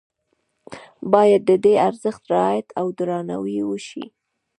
باید د دې ارزښت رعایت او درناوی وشي.